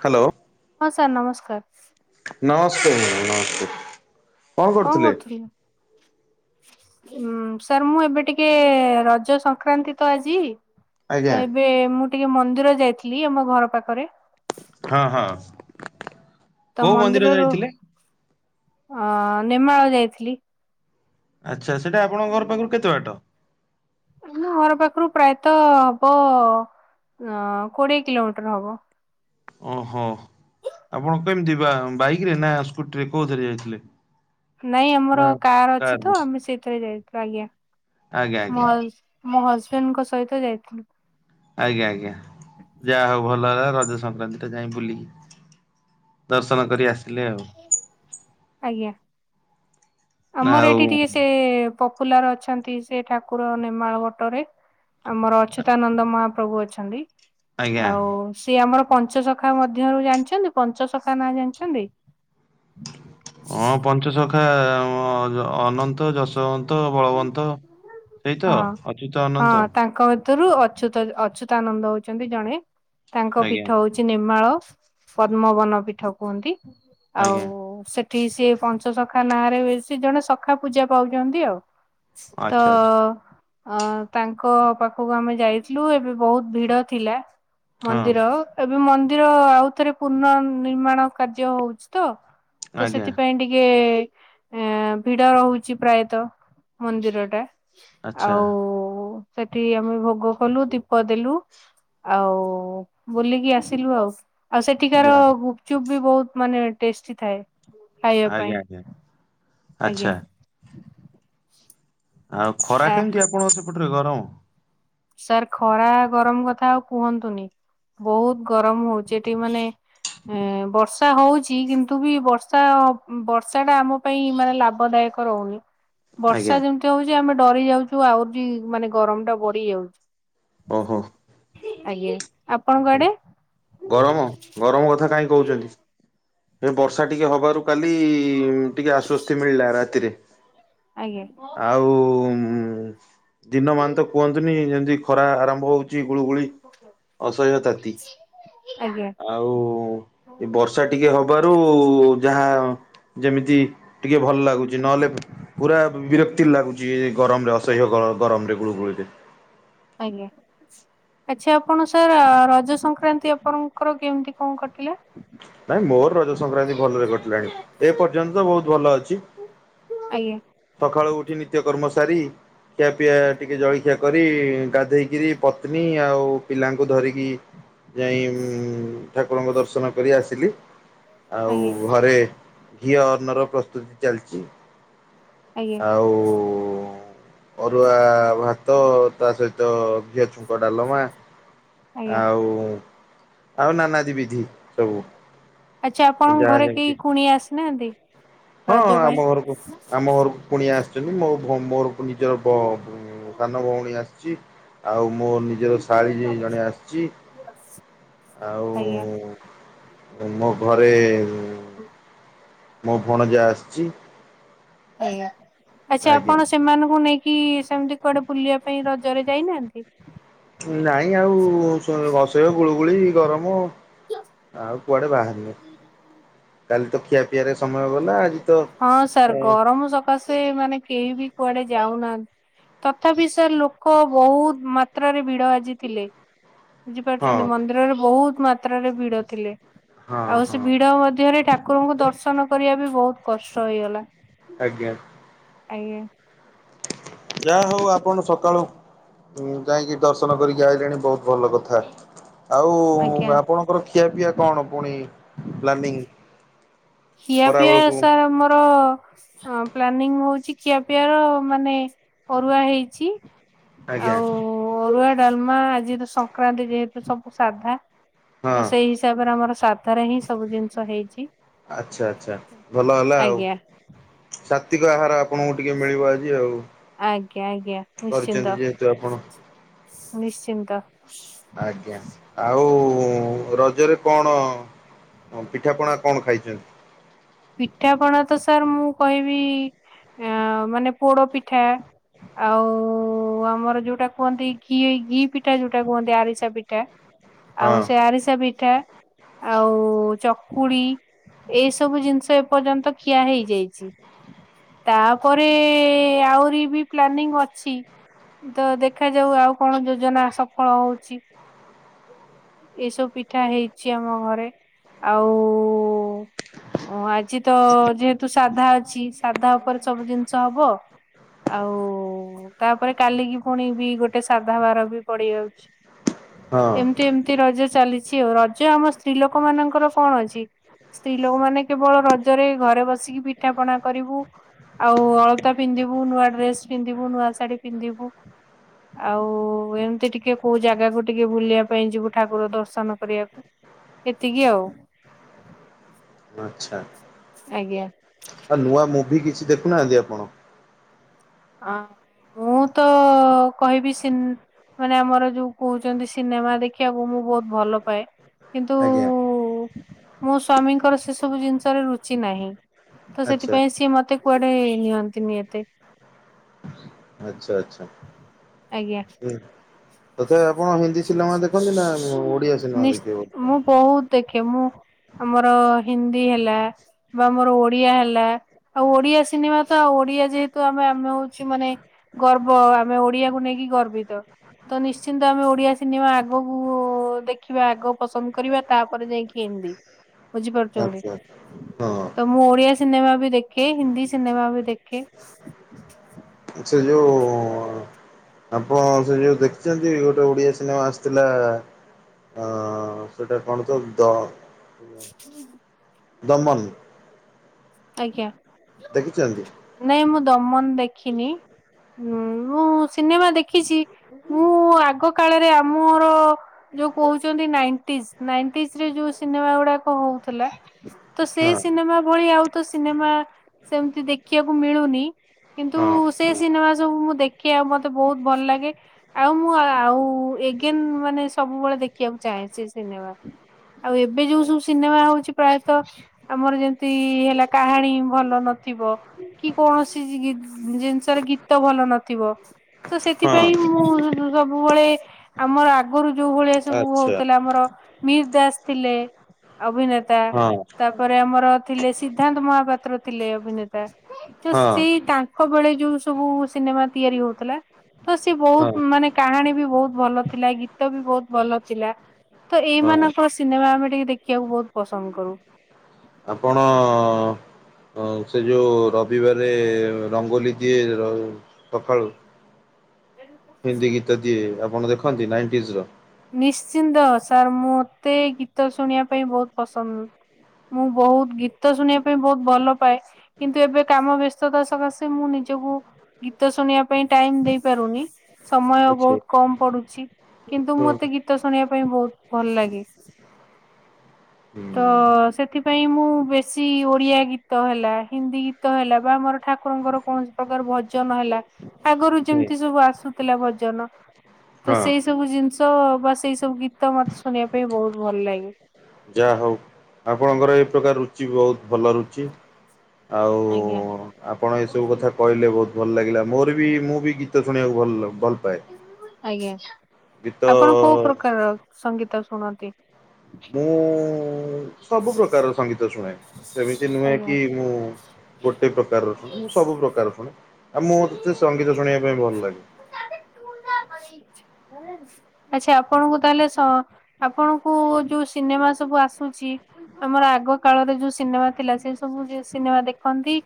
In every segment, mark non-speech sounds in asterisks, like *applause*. Hello ହଁ sir ନମସ୍କାର। ନମସ୍ତେ ନମସ୍ତେ। କଣ କରୁଥିଲି? ଉଁ ସାର୍ ମୁଁ ଏବେ ଟିକେ ରଜ ସଂକ୍ରାନ୍ତି ତ ଆଜି ଆଜ୍ଞା। ତ ଏବେ ମୁଁ ଟିକେ ମନ୍ଦିର ଯାଇଥିଲି ଆମ ଘର ପାଖରେ। ହଁ ହଁ। ତ କୋଉ ମନ୍ଦିର ମନ୍ଦିରରୁ ଯାଇଥିଲେ? ଅ ନେମାଳ ଯାଇଥିଲି। ଆ ଆମ ଘର ପାଖରୁ ପ୍ରାୟ ତ ହବ ଅ-କୋଡିଏ କିଲୋମିଟର ହବ। ଓହୋ ଆପଣ କେମିତି ବା ବାଇକ ରେ ନା ସ୍କୁଟି ରେ କୋଉଥିରେ ଯାଇଥିଲେ? ନାଇଁ ଆମର ନା କାର ଅଛି କାରରେ ତ ଆମେ ସେଇଥିରେ ଯାଇଥିଲୁ ଆଜ୍ଞା ଆଜ୍ଞା ଆଜ୍ଞା ମ-ମୋ ହଜ୍ ବେଣ୍ଡଙ୍କ ସହିତ ଯାଇଥିଲୁ। ଆଜ୍ଞା ଆଜ୍ଞା ଯାହା ହଉ ଭଲ ହେଲା ରଜ ସଂକ୍ରାନ୍ତି ଟା ଯାଇ ବୁଲିକି ଦର୍ଶନ କରି ଆସି ଆଜ୍ଞା। ଆମର ଆଉ ଏଠି ଟିକେ ସେ ପପୁଲାର ଅଛନ୍ତି ସେ ଠାକୁର ନେମାଳ ବଟରେ ଆମର ଅଚ୍ୟୁତାନନ୍ଦ ମହାପ୍ରଭୁ ଅଛନ୍ତି। ଆଜ୍ଞା। ଆଉ ସିଏ ଆମର ପଞ୍ଚସଖା ମଧ୍ୟରୁ ଜାଣିଛନ୍ତି ପଞ୍ଚସଖା ନାଁ ଜାଣିଛନ୍ତି? ହଁ ପଞ୍ଚସଖା *unintelligible* ଅନନ୍ତ, ଯଶବନ୍ତ, ବଳବନ୍ତ। ସେଇ ତ ହଁ ଅଚ୍ୟୁତ ହଁ ଅନନ୍ତ ତାଙ୍କ ରୁ ଅଚ୍ୟୁତ ଅଚ୍ୟୁତାନନ୍ଦ ହଉଛନ୍ତି ଜଣେ ତାଙ୍କ ଆଜ୍ଞା ପୀଠ ହଉଛି ନେମାଳ। ପଦ୍ମବନ ପୀଠ କୁହନ୍ତି। ଆଉ ଆଜ୍ଞା ସେ ଉଠି ସେି ପଞ୍ଚସଖା ନାଁ ରେ ସେ ଜଣେ ସଖା ପୂଜା ପାଉଛନ୍ତି ଆଉ। ତ ଆଚ୍ଛା ଆଚ୍ଛା ଅ ତାଙ୍କ ପାଖକୁ ଆମେ ଯାଇଥିଲୁ ଏବେ ବହୁତ ଭିଡ ଥିଲା। ହଁ ମନ୍ଦିର ଏବେ ମନ୍ଦିର ଆଉଥରେ ପୁର୍ଣ୍ଣ ନିର୍ମାଣ କାର୍ଯ୍ୟ ହଉଛି ତ। ତ ଆଜ୍ଞା ସେଥିପାଇଁ ଟିକେ ଏ ଭିଡ ରହୁଛି ପ୍ରାୟତଃ ମନ୍ଦିରଟା। ଆଚ୍ଛା ଆଉ ସେଠି ଆମେ ଭୋଗ କଲୁ, ଦୀପ ଦେଲୁ ଆଉ ବୁଲିକି ଆସିଲୁ ଆଉ। ଆଉ ସେଠିକାର ଯା ଗୁପଚୁପ ବି ବହୁତ ମାନେ ଟେଷ୍ଟି ଥାଏ। ଖାଇବା ପାଇଁ, ଆଜ୍ଞା ଆଜ୍ଞା ଆଚ୍ଛା। ଆଜ୍ଞା। ଆଉ ଖରା ଆ କେମିତି ଆପଣ ସେ ପୁଟରେ ଗରମ। ସାର୍ ଖରା ଗରମ କଥା ଆଉ କୁହନ୍ତୁନି ବହୁତ ଗରମ ହଉଚ ଏଠି ମାନେ ଏ ବର୍ଷା ହଉଚ କିନ୍ତୁ ବି ବର୍ଷା ବର୍ଷା ଟା ଆମ ପାଇଁ ମାନେ ଲାଭ ଦାୟକ ରହୁନି। ଆଜ୍ଞା ବର୍ଷା ଯେମିତି ହଉଛି ଆମେ ଡରି ଯାଉଛୁ ଆହୁରି ମାନେ ଗରମଟା ବଢି ଯାଉଛି। *inaudible* ଓହୋ। ଆଜ୍ଞା। ଆପଣଙ୍କ ଆଡେ ଗରମ, ଗରମ କଥା କାହିଁ କହୁଛନ୍ତି। ଏ ବର୍ଷା ଟିକେ ହବାରୁ କାଲି ଟିକେ ଆଶ୍ଵସ୍ତି ମିଳିଲା ରାତିରେ। ଆଜ୍ଞା *inaudible* ଆଉ ହିଁ ଦିନ ମାନ୍ ତ କୁହନ୍ତୁନି ଯେମିତି ଖରା ଆରମ୍ଭ ହୋଉ ଚି ଗୁଳଗୁଳି। କଷୟ ତାତି। ଆଜ୍ଞା ଆଉ ଏ ବର୍ଷା ଟିକେ ହବାରୁ ଯାହା ଯେମିତି ଟିକେ ଭଲ ଲାଗୁଛି। ନହେଲେ ପୁରା ବିରକ୍ତି ଲାଗୁଛି। ଏଇ ଗରମ ରେ ଅସହ୍ୟ ଗରମରେ ଗୁଳୁ ଗୁଳିରେ। ଆଜ୍ଞା ଆଛା ଆପଣ ସାର୍ ରଜ ସଂକ୍ରାନ୍ତି ଆପଣଙ୍କର କେମତି କଣ କଟିଲା? ନାଇଁ ମୋର ରଜ ସଂକ୍ରାନ୍ତି ଭଲରେ କଟିଲାଣି। ଏ ପର୍ଯ୍ୟନ୍ତ ବହୁତ ଭଲ ଅଛି। ଆଜ୍ଞା ସକାଳୁ ଉଠି ନିତ୍ୟ କର୍ମ ସାରି ଖିଆ ପିଆ ଟିକେ ଜଳଖିଆ କରି ଗାଧେଇ କିରି ପତ୍ନୀ ଆଉ ପିଲାଙ୍କୁ ଧରିକି ଯାଇ ଉଁ ଠାକୁରଙ୍କ ଦର୍ଶନ କରି ଆସିଲି। ଆଉ ଆଜ୍ଞା ଘରେ ଘିଅର୍ନର ପ୍ରସ୍ତୁତି ଚାଲିଛି। ଆଜ୍ଞା ଆଉ ଅରୁଆ ଭା ତ ତା ସହିତ ଘିଅ ଛୁଙ୍କ ଡାଲମା। ଆଜ୍ଞା ଆଉ ଆଉ ନାନାଦିି ବିଧି। ସବୁ। ଆଚ୍ଛା ଆପଣଙ୍କ ଯାହା ଘରେ କେହି ଯେମଛି କୁଣିଆ ଆସିନାହାନ୍ତି? ହଁ ରଜ ପାଇଁ ଆମ ଘରକୁ ଆମ ଘରକୁ କୁଣିଆ ଆସିଛନ୍ତି। ମୋ ମୋର ନିଜର ବ ଉଁ ସାନ ଭଉଣୀ ଆସିଛି। ଆଉ ମୋ ନିଜର ଶାଳୀ ଯେ ଜଣେ ଆସିଛି। ଆଉ ଆଜ୍ଞା। ମୋ ଘରେ ହୋଉ। ମୋ ଭଣଯା ଆସିଛି। ଆଜ୍ଞା। ଆଚ୍ଛା ଆଜ୍ଞା ଆପଣ ସେମାନଙ୍କୁ ନେଇକି ସେମତି କୁଆଡେ ବୁଲିବା ପାଇଁ ରଜରେ ଯାଇନାହାଁନ୍ତି? ନାଇଁ ଆଉ ସେଇ ଅସହ୍ୟ ଗୁଳୁଗୁଳି ଗରମ ଆଉ କୁଆଡେ ବାହାରିନୁ। କାଲି ତ ଖିଆ ପିଆରେ ସମୟ ଗଲା। ଆଜି ତ ହଁ ସାର ଗରମ ସକାଶେ ମାନେ କେହି ବି କୁଆଡେ ଯାଉନାହାନ୍ତି ତଥାପି ସାର ଲୋକ ବହୁତ ମାତ୍ରାରେ ଭିଡ ଆଜି ଥିଲେ। ହଁ ବୁଝିପାରୁଛନ୍ତି ମନ୍ଦିରରେ ବହୁତ ମା ତ୍ରାରେ ଭିଡ଼ ଥିଲେ। ଆଉ ସେ ହଁ ଭିଡ ମଧ୍ୟରେ ଠାକୁରଙ୍କୁ ଦର୍ଶନ କରିବା ବି ବହୁତ କଷ୍ଟ ହେଇଗଲା। ଆଜ୍ଞା । ଆଜ୍ଞା । ଯାହା ହଉ ଆପଣ ସକାଳୁ ଉ ଯାଇକି ଦର୍ଶନ କରିକି ଆଇଲେଣି ବହୁତ ଭଲ କଥା ଆଉ ଆଜ୍ଞା ଆପଣଙ୍କର ଖିଆ ପିଆ କଣ ପୁଣି ପ୍ଲାନିଂ ଖିଆ ପିଆ ଖରାବେଳକୁ ସାର ମୋର ହଁ ପ୍ଲାନିଂ ହଉଛି ଖିଆପିଆ ର ମାନେ ଅରୁଆ ହେଇଛି। ଆଜ୍ଞା ଆଉ ଅରୁଆ ଡାଲମା ଆଜିର ସଂକ୍ରାନ୍ତି ଯେହେତୁ ସବୁ ସାଧା। ତ ହଁ ସେଇ ହିସାବରେ ଆମର ସାଧାରେ ହିଁ ସବୁ ଜିନିଷ ହେଇଛି। ଆଚ୍ଛା ଆଚ୍ଛା ଭଲ ହେଲା ଆଉ। ଆଜ୍ଞା। ସା କତିକ ଆହାର ଆପଣଙ୍କୁ ଟିକେ ମିଳିବ ଆଜି ଆଉ। ଆଜ୍ଞା ଆଜ୍ଞା କରିଛନ୍ତି ନିଶ୍ଚିନ୍ତ। ଯେହେତୁ ଆପଣ ନିଶ୍ଚିନ୍ତ। ଆଜ୍ଞା ଆଉ ରଜରେ କଣ ପିଠାପଣା କଣ ଖାଇଛନ୍ତି? ପିଠାପଣା ତ ସାର୍ ମୁଁ କହିବି ମାନେ ପୋଡ ପିଠା ଆଉ ଆମର ଯୋଉଟା କୁହନ୍ତି ଘି ଘି ପିଠା ଯୋଉଟା କୁହନ୍ତି ଆରିସା ପିଠା। ଆଉ ହଁ ସେ ଆରିସା ପିଠା ଆଉ ଚକୁଳୁ ଏଇ ସବୁ ଜିନିଷ ତ ଏ ପର୍ଯ୍ୟନ୍ତ ଖିଆ ହେଇଯାଇଛି। ତାପରେ ଆହୁରି ବି ପ୍ଲାନିଂ ଅଛି ତ ଦେଖାଯାଉ ଆଉ କଣ ଯୋଜନା ସଫଳ ହଉଛି। ଏସବୁ ପିଠା ହେଇଛି ଆମ ଘରେ ଆଉ ଆଜି କିଛି ତ ଯେହେତୁ ସାଧା ଅଛି ସାଧା ଉପରେ ସବୁ ଜିନିଷ ହବ। ଆଉ ତାପରେ କାଲିକି ପୁଣି ବି ଗୋଟେ ସାଧା ବାର ବି ପଡି ଯାଉଛି। ହଁ ଏମିତି ଏମିତି ରଜ ଚାଲିଛି ଆଉ ରଜ ଆମ ସ୍ତ୍ରୀ ଲୋକ ମାନଙ୍କର କଣ ଅଛି ସ୍ତ୍ରୀ ଲୋକ ମାନ କେବଳ ରଜରେ ଘରେ ବସିକି ପିଠା ପଣା କରିବୁ ଆଉ ଅଳତା ପିନ୍ଧିବୁ ନୂଆ ଡ୍ରେସ୍ ପିନ୍ଧିବୁ ନୂଆ ଶାଢୀ ପିନ୍ଧିବୁ ଆଉ ଏମିତି ଟିକେ କୋଉ ଜାଗାକୁ ଟିକେ ବୁଲିବା ପାଇଁ ଯିବୁ ଠାକୁର ଦର୍ଶନ କରିବାକୁ ଏତିକି ଆଉ। ଆଚ୍ଛା। ଆଜ୍ଞା। ଆଉ ନୂଆ ମୁଭି କିଛି ଦେଖୁନାହାନ୍ତି ଆପଣ। ଅ ମୁଁ ତ କହିବି ସି ମାନେ ଆମର ଯୋଉ କହୁଛନ୍ତି ସିନେମା ଦେଖିବାକୁ ମୁଁ ବହୁତ ଭଲ ପାଏ। କିନ୍ତୁ ଆଜ୍ଞା ମୋ ସ୍ଵାମୀଙ୍କର ସେ ସବୁ ଜିନିଷରେ ରୁଚି ନାହିଁ। ତ ଆଚ୍ଛା ସେଥିପାଇଁ ସିଏ ମତେ କୁଆଡେ ନେ ନିଅନ୍ତି ଏତେ। ଆଚ୍ଛା ଆଚ୍ଛା ଆଜ୍ଞା। ହୁଁ। ତଥାପି ଆପଣ ହିନ୍ଦୀ ସିନେମା ଦେଖନ୍ତି ନା ଓଡିଆ ସିନେମା ଦେଖିବେ କେମୁ ଆମର ହିନ୍ଦୀ ହେଲା ବା ଆମର ଓଡିଆ ହେଲା ଆଉ ଓଡିଆ ସିନେମା ତ ଆଉ ଓଡିଆ ଯେହେତୁ ଆମେ ଆମେ ହଉଛି ମାନେ ଗର୍ବ ଆମେ ଓଡିଆକୁ ନେଇକି ଗର୍ବିତ। ତ ନିଶ୍ଚିନ୍ତ ଆମେ ଓଡିଆ ସିନେମା ଆଗକୁ ଦେଖିବା ଆଗକୁ ପସନ୍ଦ କରିବା ତାପରେ ଯାଇକି ହିନ୍ଦୀ ବୁଝିପାରୁଛ। ଛନ୍ତି ଆଚ୍ଛା ହଁ ତ ମୁଁ ଓଡିଆ ସିନେମା ବି ଦେଖେ ହିନ୍ଦୀ ସିନେମା ବି ଦେଖେ। ସେ ଯୋଉ ଆପଣ ସେ ଯେଉ ଦେଖିଛନ୍ତି ଗୋଟେ ଓଡ଼ିଆ ସିନେମା ଆସିଥିଲା। ହଁ ସେଟା କଣ ତ ଦ ହୁଁ ହୁଁ। ଦମନ। ଆଜ୍ଞା। ଦେଖିଛନ୍ତି? ନାଇଁ ମୁଁ ଦମନ ଦେ ଖିନି ଉଁ ମୁଁ ସିନେମା ଦେଖିଛି ମୁଁ ଆଗ କାଳରେ ଆମର ଯୋଉ କହୁଛନ୍ତି ନାଇଣ୍ଟିଜ ନାଇଣ୍ଟିଜ ରେ ଯୋଉ ସିନେମା ଗୁଡାକ ହଉଥିଲା ତ ସେଇ ହଁ ସିନେମା ଭଳି ଆଉ ତ ସିନେମା ସେମିତି ଦେଖିଆକୁ ମିଳୁନି କିନ୍ତୁ ହଁ ସେ ସିନେମା ସବୁ ମୁଁ ଦେଖେ ଆଉ ମତେ ବହୁତ ଭଲ ଲାଗେ ଆଉ ମୁଁ ଆଉ ଏଗେନ ମାନେ ସବୁବେଳେ ଦେଖିବାକୁ ଚାହେଁ ସେଇ ସିନେମା ଆଉ ଏବେ ଯୋଉ ସବୁ ସିନେମା ହଉଛି ପ୍ରାୟତଃ ଆମର ଯେମିତି ହେଲା କାହାଣୀ ଭଲ ନଥିବ କି କୌଣସି ଜି ଜିନିଷର ଗୀତ ଭଲ ନଥିବ ତ ହଁ ସେଥିପାଇଁ ମୁଁ ସ ସବୁବେଳେ ଆମର ଆଗରୁ ଯୋଉ ଭଳିଆ ସବୁ ଆଚ୍ଛା ହଉଥିଲା ଆମର ମିହିର ଦାସ ଥିଲେ ଅଭିନେତା ହଁ ତାପରେ ଆମର ଥିଲେ ସି ନ୍ଧାନ୍ତ ମହାପାତ୍ର ଥିଲେ ଅଭିନେତା ତ ହଁ ସେଇ ତାଙ୍କ ବେଳେ ଯୋଉ ସବୁ ସିନେମା ତିଆରି ହଉଥିଲା ତ ସେ ହଁ ବହୁତ ମାନେ କାହାଣୀ ବି ବହୁତ ଭଲ ଥିଲା ଗୀତ ବି ବହୁତ ଭଲ ଥିଲା ତ ଏଇ ହଁ ମାନଙ୍କ ସିନେମା ଆମେ ଟିକେ ଦେଖିବାକୁ ବହୁତ ପସନ୍ଦ କରୁ। ଆପଣ ହଁ ସେ ଯୋଉ ରବିବାରେ ରଙ୍ଗୋଲି ଦିଏ ସକାଳୁ ହିନ୍ଦୀ ଗୀତ ଦିଏ ଆ ପଣ ଦେଖନ୍ତି ନାଇଣ୍ଟିଜର। ନିଶ୍ଚିନ୍ତ ସାର ମୁଁ ମତେ ଗୀତ ଶୁଣିବା ପାଇଁ ବହୁତ ପସନ୍ଦ ମୁଁ ବହୁତ ଗୀତ ଶୁଣିବା ପାଇଁ ବହୁତ ଭଲ ପାଏ କିନ୍ତୁ ଏବେ କାମ ବ୍ୟସ୍ତତା ସକାଶେ ମୁଁ ନିଜକୁ ଗୀତ ଶୁଣିବା ପାଇଁ ଟାଇମ ଦେଇପାରୁନି। ସମୟ ଅଛି ବହୁତ କମ ପଡୁଛି କିନ୍ତୁ ହଁ ମୁଁ ଗୀତ ଶୁଣିବା ପାଇଁ ବହୁତ ଭଲ ଲାଗେ। ହୁଁ ତ ସେଥିପାଇଁ ମୁଁ ବେଶୀ ଓଡିଆ ଗୀତ ହେଲା ହିନ୍ଦୀ ଗୀତ ହେଲା ବା ମୋର ଠାକୁରଙ୍କର କୌଣସି ପ୍ରକାର ଭଜନ ହେଲା ଆଗରୁ ଯେମିତି ହଁ ସବୁ ଆସୁଥିଲା ଭଜନ ତ ସେଇ ସବୁ ଜିନିଷ ବା ସେଇ ସବୁ ଗୀତ ମତେ ଶୁଣିବା ପାଇଁ ବହୁତ ଭଲ ଲାଗେ। ଯାହା ହଉ ଆପଣଙ୍କର ଏ ପ୍ରକାର ରୁଚି ବହୁତ ଭଲ ରୁଚି ଆଉ ଆଜ୍ଞା। ଆପଣ ଏସବୁ କଥା କହିଲେ ବହୁତ ଭଲ ଲାଗିଲା ମୋର ବି ମୁଁ ବି ଗୀତ ଶୁଣିବାକୁ ଭଲ ଭଲ ପାଏ। ଆଜ୍ଞା ଗୀତ ଆପଣ କୋଉ ପ୍ରକାରର ସଙ୍ଗୀତ ଶୁଣନ୍ତି? ମୁଁ ସବୁ ପ୍ରକାର ସଙ୍ଗୀତ ଶୁଣେ। ସେମିତି ନୁହେଁ ଆଜ୍ଞା। କି ମୁଁ ଗୋଟେ ପ୍ରକାରର ଶୁଣେ ମୁଁ ସବୁ ପ୍ରକାର ର ଶୁଣେ। ଆଉ ମୁଁ ତିକେ ସଙ୍ଗୀତ ଶୁଣିବା ପାଇଁ ଭଲ ଲାଗେ। ଆଚ୍ଛା ଆପଣଙ୍କୁ ତାହେଲେ ସ ଆପଣଙ୍କୁ ଯୋଉ ସିନେମା ସବୁ ଆସୁଛି ଆମର ଆଗ କାଳରେ ଯୋଉ ସିନେମା ଥିଲା ସେ ସବୁ ଜି ସିନେମା ଦେଖନ୍ତି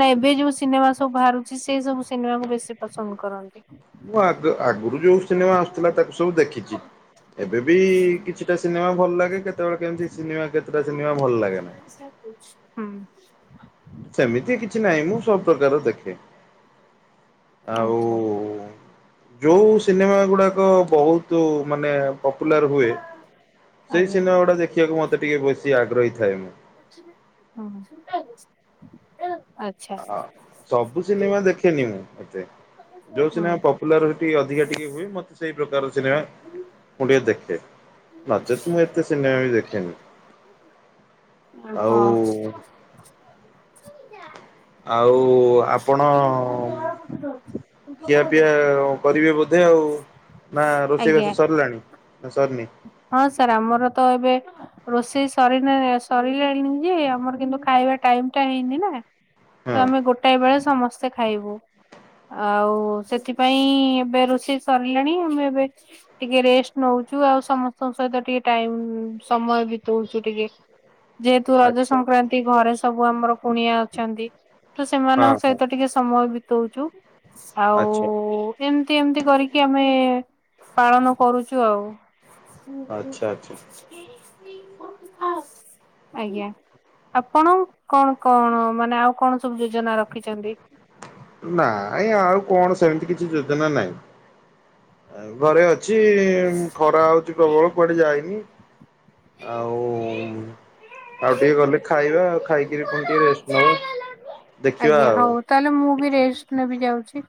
ନା ଏବେ ଯୋଉ ସିନେମା ସବୁ ବାହାରୁ ରୁଛି ସେ ସବୁ ସିନେମା କୁ ବେଶୀ ପସନ୍ଦ କରନ୍ତି? ମୁଁ ଆଗ ଆଗରୁ ଯୋଉ ସିନେମା ଆସୁଥିଲା ତାକୁ ସବୁ ଦେଖିଛି ଏବେ ବି କିଛିଟା ସିନେମା ଭଲ ଲାଗେ କେତେବେଳେ କେମିତି ସିନେମା କେତେଟା ସିନେମା ଭଲ ଲାଗେ ନା। ହୁଁ ସବୁ ପ୍ରକାର ର ଦେଖେ। ଆଉ ଆଚ୍ଛା । ଯୋଉ ସିନେମା ଗୁଡାକ ବହୁତ ମାନେ ପପୁଲାର ହୁଏ ସେଇ ଆଜ୍ଞା ସିନେମା ଗୁଡା ଦେଖିବାକୁ ମତେ ଟିକେ ବେଶି ଆ ହୁଁ । *unintelligible* ଆ ସବୁ ସିନେମା ଦେଖେନି ମୁଁ ଏତେ ଯୋଉ ହୁଁ ସିନେମା ପପୁଲାର ହୋଇ ଅଧିକା ଟିକେ ହୁଏ ମତେ ସେଇ ପ୍ରକାର ସିନେମା ମୁଁ ଟିକେ ଦେଖେ ନଚେତ ମୁଁ ଏତେ ସିନେମା ବି ଦେଖେନି। ହଁ ଆଉ ଆପଣ ଖିଆ ପିଆ କରିବେ ବୋ ଧେ ଆଉ ନା ରୋଷେଇ ଆଜ୍ଞା ବାସ ସରିଲାଣି ନା ସରି ହଁ ସାର୍ ଆମର ତ ଏବେ ରୋଷେଇ ସରି ସରିଲାଣି ଯେ ଆମର କିନ୍ତୁ ଖାଇବା ଟାଇମ ଟା ହେଇନି ନା। ତ ହଁ। ଆମେ ଗୋଟାଏ ବେଳେ ସମସ୍ତେ ସମସ୍ତେ ଖାଇବୁ ଆଉ ସେଥି ପାଇଁ ଏବେ ରୋସେଇ ସାରିଲାଣି ଆମେ ଟିକେ ରେଷ୍ଟ ନଉଛୁ ଆଉ ସମସ୍ତଙ୍କ ସହିତ ଟିକେ ଟାଇମ ସମୟ ବିତଉଛୁ ଟିକେ ଯେହେତୁ ରଜ ଆଚ୍ଛା ଆଚ୍ଛା ସଂକ୍ରାନ୍ତି ଘରେ ସବୁ ଆମର କୁଣିଆ ଅଛନ୍ତି ତ ହଁ ସେମାନଙ୍କ ହଁ ସହିତ ଟିକେ ସମୟ ବିତଉଛୁ ଆଉ ଆଚ୍ଛା ଏମତି ଏମିତି କରିକି ଆମେ ପାଳନ କରୁଛୁ ଆଉ ଓ ହୋ ଆଚ୍ଛା ଆଚ୍ଛା। *unintelligible* ଆଜ୍ଞା ଆପଣ କଣ କଣ ମାନେ ଆଉ କଣ ସବୁ ଯୋଜନା ରଖିଛନ୍ତି। ନାଇ ଆଉ କଣ ସେମିତି କିଛି ଯୋଜନା ନାହିଁ। ଘରେ ଅଛି ଅଛି ଖରା ହଉଛି ପ୍ରବଳ କୁଆଡେ ଯାଇନି। ଆଉ ଆଉ ଟିକେ ଗଲେ ଖାଇବା ଆଉ ଖାଇକିରି ପୁଣି ଟିକେ ରେଷ୍ଟ ନବା ଦେଖିବା ଆଜ୍ଞା ଆଉ। ଛି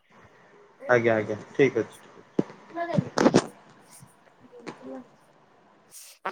। ଆଜ୍ଞା ଆଜ୍ଞା ଠିକ ଅଛି। *unintelligible*